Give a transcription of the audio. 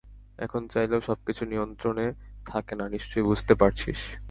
এখন চাইলেও সবকিছু নিয়ন্ত্রণে থাকে না, নিশ্চয়ই বুঝতে পারছিস!